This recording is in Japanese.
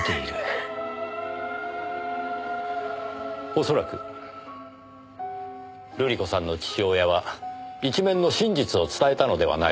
恐らく瑠璃子さんの父親は一面の真実を伝えたのではないでしょうか。